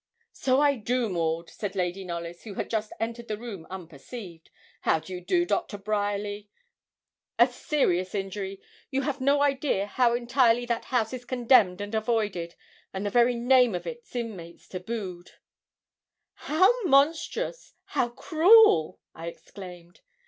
'So I do, Maud,' said Lady Knollys, who had just entered the room unperceived, 'How do you do, Doctor Bryerly? a serious injury. You have no idea how entirely that house is condemned and avoided, and the very name of its inmates tabooed.' 'How monstrous how cruel!' I exclaimed.